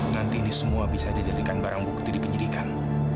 nanti ini semua bisa dijadikan barang bukti di penyidikan